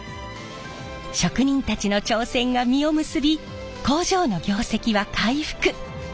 職人たちの挑戦が実を結び工場の業績は回復。